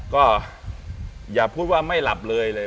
ก็อย่าพูดว่าไม่หลับเลยเลย